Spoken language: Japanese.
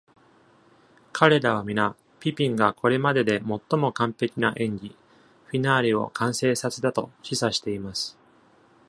彼らはみな、ピピンがこれまでで最も完璧な演技、フィナーレを完成させたと示唆しています。